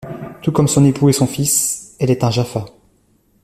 Tout comme son époux et son fils, elle est un Jaffa.